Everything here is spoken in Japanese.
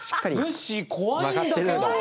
ぬっしー怖いんだけど。